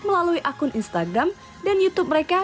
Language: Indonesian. melalui akun instagram dan youtube mereka